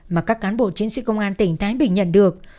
mà các cán bộ chiến sĩ công an tỉnh thái bình nhận được